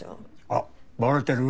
あバレてる？